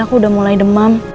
aku udah mulai demam